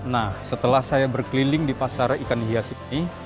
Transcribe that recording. nah setelah saya berkeliling di pasar ikan hias ini